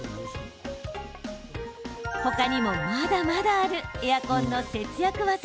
他にもまだまだあるエアコンの節約技。